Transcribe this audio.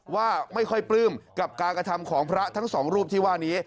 ว่าไม่ค่อยปลื้มกับการกระทำของพระทั้งสองรูปที่ว่านี้